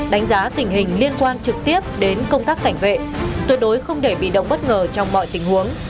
đánh giá tình hình liên quan trực tiếp đến công tác cảnh vệ tuyệt đối không để bị động bất ngờ trong mọi tình huống